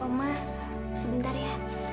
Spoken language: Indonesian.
oma sebentar ya